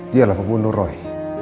dialah pembunuh roy